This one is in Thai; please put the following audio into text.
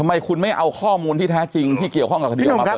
ทำไมคุณไม่เอาข้อมูลที่แท้จริงที่เกี่ยวข้องกับคดีออกมาบอก